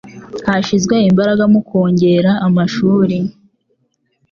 hashyizwe imbaraga mu kongera amashuri